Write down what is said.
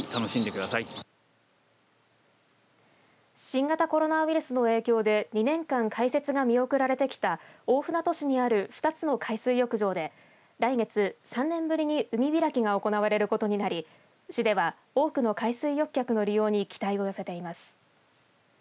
新型コロナウイルスの影響で２年間、開設が見送られてきた大船渡市にある２つの海水浴場で来月３年ぶりに海開きが行われることになり市では多くの海水浴客の利用に期待を寄せています。